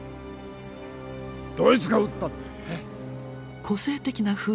どいつが撃ったんだ？